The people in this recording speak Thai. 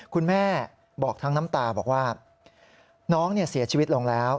คุณแม่บอกทั้งน้ำตาบอกว่าน้องเสียชีวิตลงแล้ว